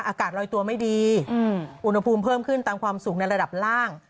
อากาศลอยตัวไม่ดีอุณหภูมิเพิ่มขึ้นตามความสูงในระดับล่าง